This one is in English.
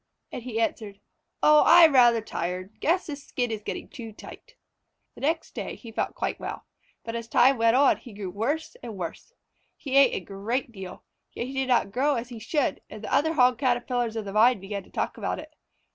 And he answered: "Oh, I am rather tired. Guess this skin is getting too tight." The next day he felt quite well, but as time went on he grew worse and worse. He ate a great deal, yet he did not grow as he should, and the other Hog Caterpillars of the Vine began to talk about it.